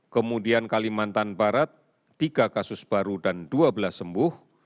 kemudian kalimantan barat tiga kasus baru dan dua belas sembuh